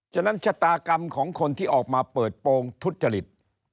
ฉะนั้นชะตากรรมของคนที่ออกมาเปิดโปรงทุจริต